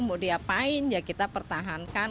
mau diapain ya kita pertahankan